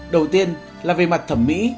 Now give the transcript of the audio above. đầu tiên là về mặt thẩm mỹ